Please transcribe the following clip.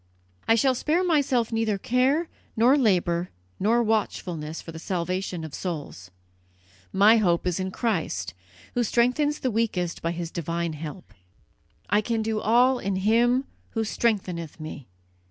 "I shall spare myself neither care nor labour nor watchfulness for the salvation of souls. My hope is in Christ, who strengthens the weakest by His divine help; I can do all in Him who strengtheneth me!